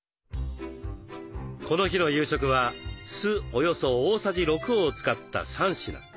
この日の夕食は酢およそ大さじ６を使った３品。